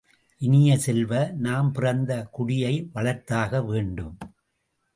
இனிய செல்வ, நாம் பிறந்த குடியை வளர்த்தாக வேண்டும்!